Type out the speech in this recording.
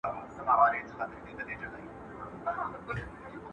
په شبرغان کې د ګازو تصدۍ د ډېرو خلکو لپاره کار برابر کړی.